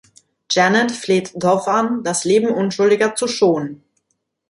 Janet fleht Dove an, das Leben Unschuldiger zu schonen.